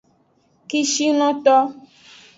Kishilonto.